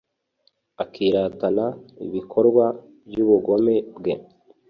akiratana ibikorwa by'ubugome bwe